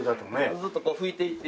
ずっとこう拭いていって頂いて。